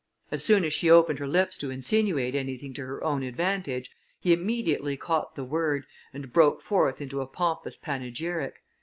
As soon as she opened her lips to insinuate anything to her own advantage, he immediately caught the word, and broke forth into a pompous panegyric.